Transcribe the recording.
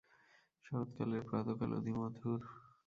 শরৎকালের প্রাতঃকাল অতি মধুর।